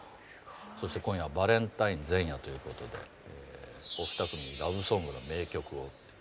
そして今夜バレンタイン前夜ということでお二組にラブソングの名曲をっていう。